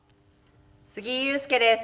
杉井勇介です。